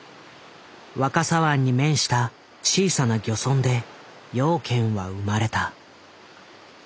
若狭湾に面した小さな漁村で養賢は生まれた。